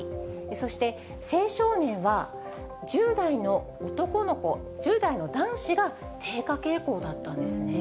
そして青少年は１０代の男の子、１０代の男子が低下傾向だったんですね。